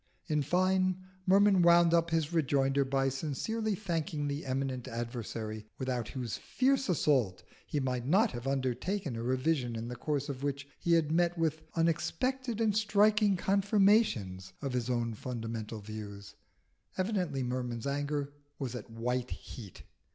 In fine, Merman wound up his rejoinder by sincerely thanking the eminent adversary without whose fierce assault he might not have undertaken a revision in the course of which he had met with unexpected and striking confirmations of his own fundamental views. Evidently Merman's anger was at white heat.